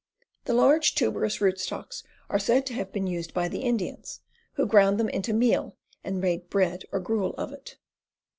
The large, tuberous rootstocks are said to have been used by the Indians, who ground them into meal and made bread or gruel of it.